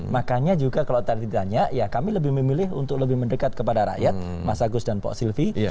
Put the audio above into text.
makanya juga kalau tadi ditanya ya kami lebih memilih untuk lebih mendekat kepada rakyat mas agus dan pak silvi